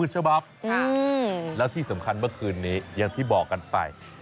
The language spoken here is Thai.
ฉบับแล้วที่สำคัญเมื่อคืนนี้อย่างที่บอกกันไป